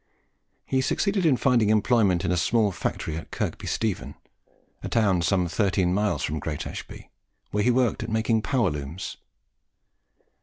He succeeded in finding employment in a small factory at Kirby Stephen, a town some thirteen miles from Great Ashby, where he worked at making power looms.